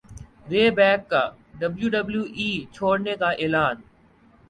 رے بیک کا ڈبلیو ڈبلیو ای چھوڑنے کا اعلان